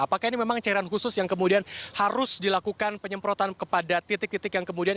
apakah ini memang cairan khusus yang kemudian harus dilakukan penyemprotan kepada titik titik yang kemudian